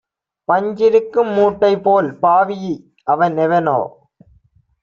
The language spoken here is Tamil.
பஞ்சிருக்கும் மூட்டைபோல் பாவி அவன்எவனோ